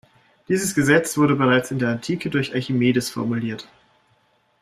Dieses Gesetz wurde bereits in der Antike durch Archimedes formuliert.